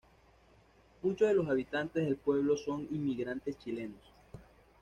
Muchos de los habitantes del pueblo son inmigrantes chilenos.